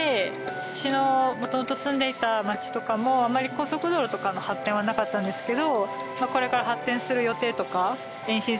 私の元々住んでいた町とかもあんまり高速道路とかの発展はなかったんですけど。